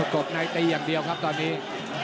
กบในตีอย่างเดียวครับตอนนี้